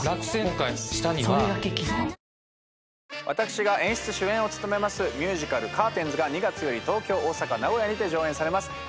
私が演出・主演を務めますミュージカル『カーテンズ』が２月より東京大阪名古屋にて上演されます。